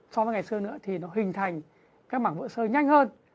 so với ngày xưa nữa thì nó hình thành các mảng vữa sơ nhanh hơn